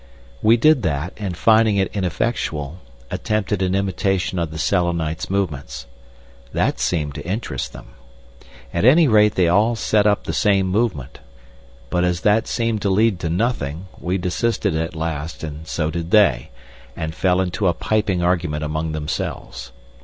We did that, and finding it ineffectual, attempted an imitation of the Selenites' movements. That seemed to interest them. At any rate they all set up the same movement. But as that seemed to lead to nothing, we desisted at last and so did they, and fell into a piping argument among themselves.